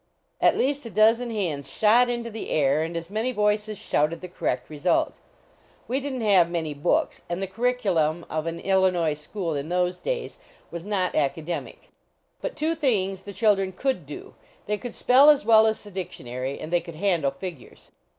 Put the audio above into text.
At least a dozen hands shot into the air and as many voices shouted the correct result. We didn t have many books, and the curric ulum of an Illinois school in those days was 1 7 257 THE STRIKE AT HINMAX S not academic ; but two things the children could do, they could spell as well as the dic tionary and they could handle figures.